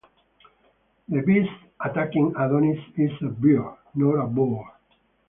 The beast attacking Adonis is a bear, not a boar.